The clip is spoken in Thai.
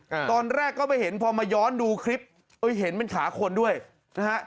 อ่าตอนแรกก็ไปเห็นพอมาย้อนดูคลิปเอ้ยเห็นเป็นขาคนด้วยนะฮะ